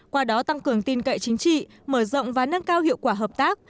qua đó tăng cường tin cậy chính trị mở rộng và nâng cao hiệu quả hợp tác